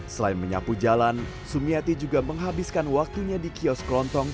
selain menyapu jalan sumiati juga menghabiskan waktunya di kios kelontong